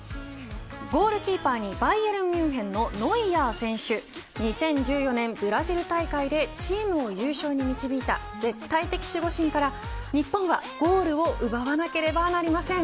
ゴールキーパーにバイエルンミュンヘンのノイアー選手２０１４年ブラジル大会でチームを優勝に導いた絶対的守護神から日本はゴールを奪わなければなりません。